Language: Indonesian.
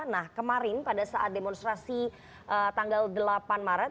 nah kemarin pada saat demonstrasi tanggal delapan maret